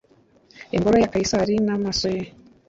ingoro ya Kayisari n'amaso ye